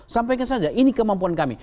sampaikan saja ini kemampuan kami